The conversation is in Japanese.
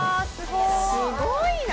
すごいな。